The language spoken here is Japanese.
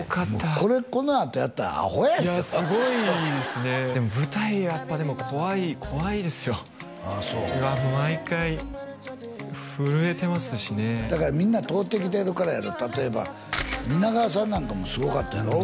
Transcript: これこのあとやったらアホやでいやすごいですねでも舞台はやっぱでも怖い怖いですよああそうもう毎回震えてますしねだからみんな通ってきてるからやろ例えば蜷川さんなんかもすごかったやろ？